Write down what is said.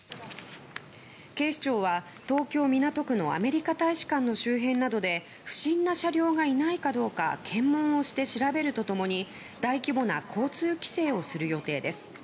警視庁は東京・港区のアメリカ大使館の周辺などで不審な車両がいないかどうか検問をして調べると共に大規模な交通規制をする予定です。